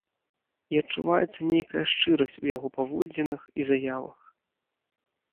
І адчуваецца нейкая шчырасць у яго паводзінах і заявах.